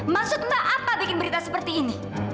maksud mbak apa bikin berita seperti ini